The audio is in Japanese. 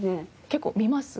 結構見ます？